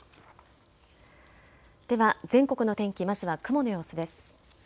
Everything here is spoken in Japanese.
では全国の天気、まずは雲の様子です。